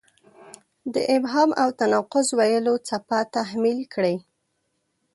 د ابهام او تناقض ویلو څپه تحمیل کړې.